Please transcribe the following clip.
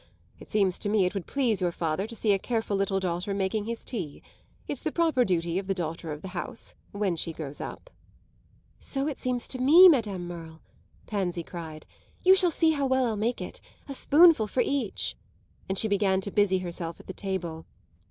It seems to me it would please your father to see a careful little daughter making his tea. It's the proper duty of the daughter of the house when she grows up." "So it seems to me, Madame Merle!" Pansy cried. "You shall see how well I'll make it. A spoonful for each." And she began to busy herself at the table.